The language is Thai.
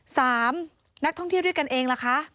สามนักท่องเที่ยวด้วยกันเองล่ะคะ